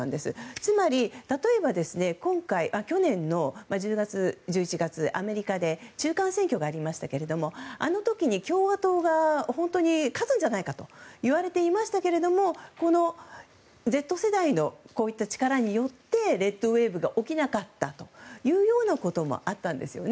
つまり、例えば去年１０月、１１月にアメリカで中間選挙がありましたけれどもあの時に、共和党が本当に勝つんじゃないかといわれていましたけれどもこのＺ世代の力によってレッドウェーブが起きなかったというようなこともあったんですよね。